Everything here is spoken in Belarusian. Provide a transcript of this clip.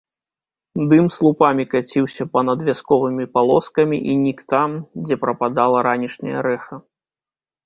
Дым слупамі каціўся па-над вясковымі палоскамі і нік там, дзе прападала ранішняе рэха.